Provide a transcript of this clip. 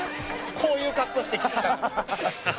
こういう格好してきたからには。